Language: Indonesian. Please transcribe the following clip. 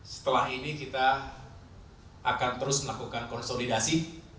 setelah ini kita akan terus melakukan konsolidasi